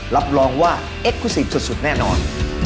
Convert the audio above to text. รับรองว่าเอ็กกุศิษย์สุดแน่นอน